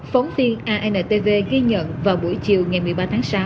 phóng tin antv ghi nhận vào buổi chiều ngày một mươi ba tháng sáu